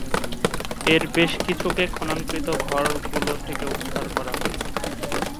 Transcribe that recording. এর বেশ কিছুকে খননকৃত ঘর গুলো থেকে উদ্ধার করা হয়েছে।